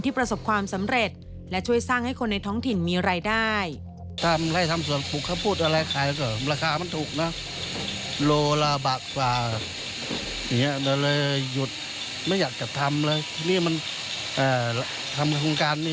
ประสบความสำเร็จและช่วยสร้างให้คนในท้องถิ่นมีรายได้